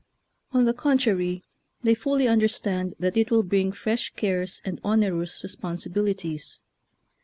On the contrary, they fully un derstand that it will bring fresh cares and onerous responsibilities.